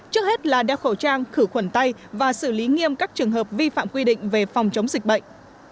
trước hết là đeo khẩu trang khử khuẩn tay và xử lý nghiêm các trường hợp vi phạm quy định về phòng chống dịch bệnh